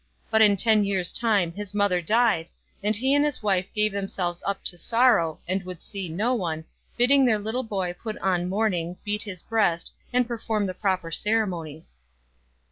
But in ten years' time his mother died, and he and his wife gave themselves up to sorrow, and would see no one, bidding their little boy put on mourn ing, beat his breast, and perform the proper ceremonies.